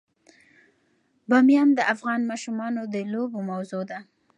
بامیان د افغان ماشومانو د لوبو موضوع ده.